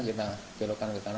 kita belokkan ke tanapa